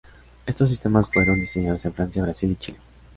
Estos sistemas fueron diseñados en Francia, Brasil y Chile.